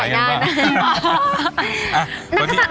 เดี๋ยวโดนต่อหน้านะ